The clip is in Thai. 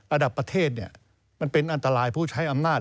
ระดับประเทศมันเป็นอันตรายผู้ใช้อำนาจ